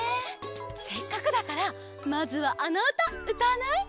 せっかくだからまずはあのうたうたわない？